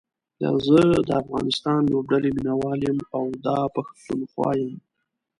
زه دا افغانستان لوبډلې ميناوال يم او دا پښتونخوا يم